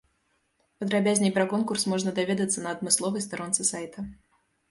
Падрабязней пра конкурс можна даведацца на адмысловай старонцы сайта.